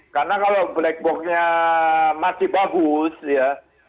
karena kalau black box nya masih bagus ya